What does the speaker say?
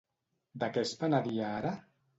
De què es penedia ara?